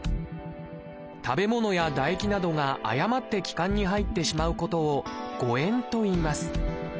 食べ物や唾液などが誤って気管に入ってしまうことを「誤えん」といいます。